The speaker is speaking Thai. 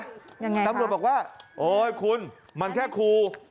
ยังไงตำรวจบอกว่าโอ๊ยคุณมันแค่ครู